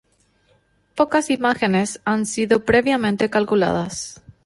Pocas imágenes han sido previamente calculadas.